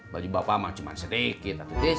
baju bapak mah cuman sedikit atuh tutis